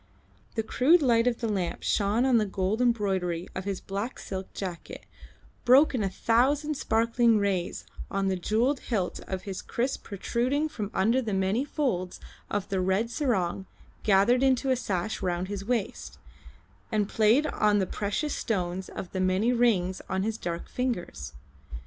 The crude light of the lamp shone on the gold embroidery of his black silk jacket, broke in a thousand sparkling rays on the jewelled hilt of his kriss protruding from under the many folds of the red sarong gathered into a sash round his waist, and played on the precious stones of the many rings on his dark fingers.